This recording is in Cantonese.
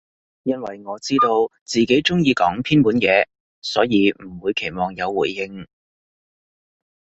因爲我知道自己中意講偏門嘢，所以唔會期望有回應